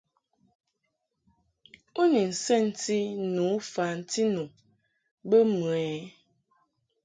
U ni nsɛnti tu fanti nu bə mɨ ɛ ?